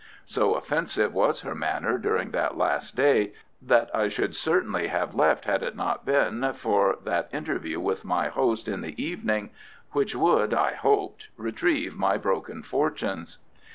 So offensive was her manner during that last day, that I should certainly have left had it not been for that interview with my host in the evening which would, I hoped, retrieve my broken fortunes.